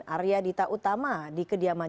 di area dita utama di kediaman